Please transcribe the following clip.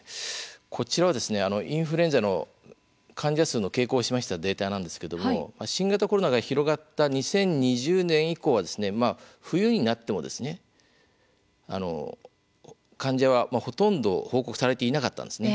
こちらは、インフルエンザの患者数の傾向を示したデータなんですけども新型コロナが広がった２０２０年以降はですね冬になっても患者はほとんど報告されていなかったんですね。